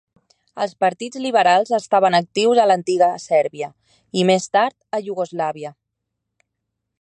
Els partits liberals estaven actius a l'antiga Sèrbia i, més tard, a Iugoslàvia.